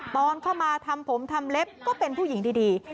ตอนเข้ามาทำผมทำเล็บก็เป็นผู้หญิงดี